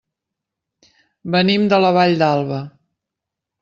Venim de la Vall d'Alba.